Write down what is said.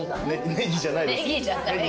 ネギじゃないです。